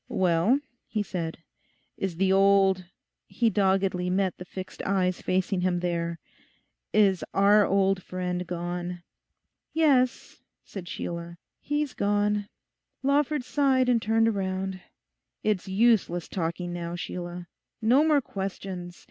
'Well,' he said, 'is the old—' he doggedly met the fixed eyes facing him there, 'is our old friend gone?' 'Yes,' said Sheila, 'he's gone.' Lawford sighed and turned round. 'It's useless talking now, Sheila. No more questions.